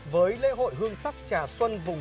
với lễ hội hương sắc trà xuân vùng